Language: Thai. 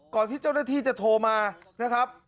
ที่เจ้าหน้าที่จะโทรมานะครับ